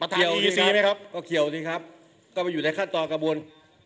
เกี่ยวอีซีไหมครับก็เกี่ยวสิครับก็ไปอยู่ในขั้นตอนกระบวน